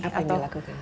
apa yang dilakukan